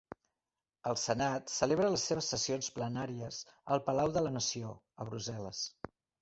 El Senat celebra les seves sessions plenàries al Palau de la Nació, a Brussel·les.